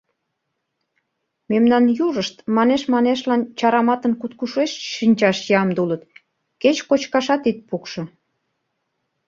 Мемнан южышт манеш-манешлан чараматын куткышуэш шинчаш ямде улыт, кеч кочкашат ит пукшо.